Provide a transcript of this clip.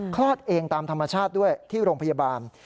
คลอดเองตามธรรมชาติด้วยที่โรงพยาบาล